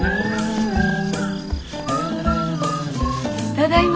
ただいま。